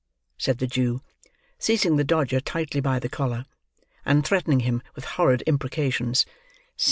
said the Jew, seizing the Dodger tightly by the collar, and threatening him with horrid imprecations.